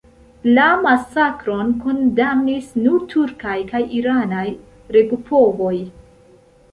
La masakron kondamnis nur turkaj kaj iranaj regopovoj.